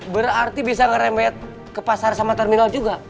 berarti bisa ngerempet ke pasar sama terminal juga